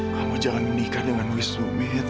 kamu jangan menikah dengan wisnu midd